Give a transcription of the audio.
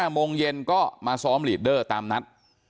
โมงเย็นก็มาซ้อมลีดเดอร์ตามนัด